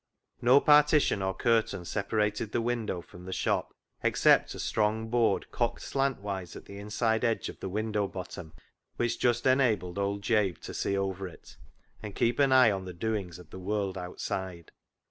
No partition or curtain separated the window from the shop, except a strong board cocked slantwise at the inside edge of the window bottom which just enabled old Jabe to see over it, and keep an eye on the doings of the world outside.